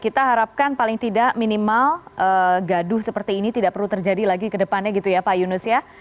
kita harapkan paling tidak minimal gaduh seperti ini tidak perlu terjadi lagi ke depannya gitu ya pak yunus ya